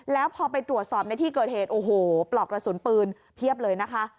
แล้วพอไปตรวจสอบในที่เกิดเหตุโอ้โหปลอกกระสุนปืนเพียบเลยนะคะ